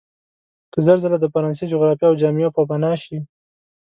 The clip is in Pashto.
که زر ځله د فرانسې جغرافیه او جامعه پوپناه شي.